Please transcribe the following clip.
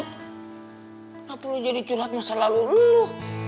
kenapa lo jadi curhat masa lalu